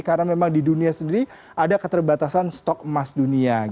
karena memang di dunia sendiri ada keterbatasan stok emas dunia